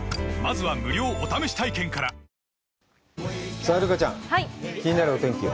さあ、留伽ちゃん、気になるお天気を。